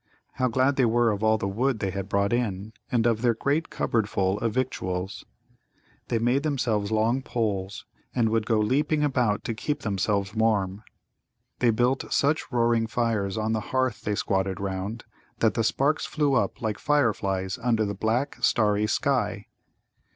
How glad they were of all the wood they had brought in, and of their great cupboardful of victuals! They made themselves long poles, and would go leaping about to keep themselves warm. They built such roaring fires on the hearth they squatted round that the sparks flew up like fireflies under the black, starry sky.